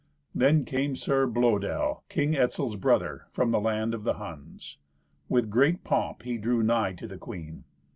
Then came Sir Blœdel, King Etzel's brother, from the land of the Huns; with great pomp, he drew nigh to the queen.